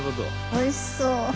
おいしそう。